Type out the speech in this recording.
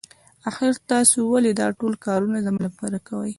آخر تاسو ولې دا ټول کارونه زما لپاره کوئ.